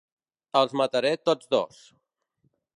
Els mataré tots dos!